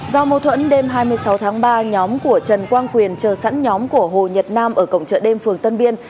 do mâu thuẫn đêm hai mươi sáu tháng ba nhóm của trần quang quyền chờ sẵn nhóm của hồ nhật nam ở cổng chợ đêm phường tân biên